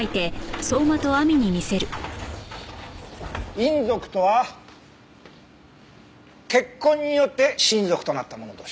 姻族とは結婚によって親族となった者同士。